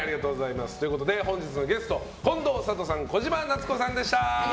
本日のゲスト、近藤サトさん小島奈津子さんでした。